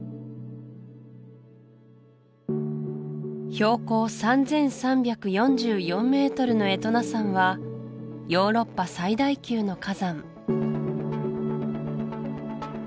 標高３３４４ｍのエトナ山はヨーロッパ最大級の火山